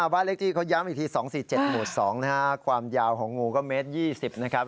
บ้านเลขที่เขาย้ำอีกที๒๔๗หมู่๒นะครับความยาวของงูก็เมตร๒๐นะครับ